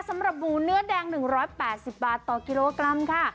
สำหรับหมูเนื้อแดง๑๘๐บาทต่อกิโลกรัมค่ะ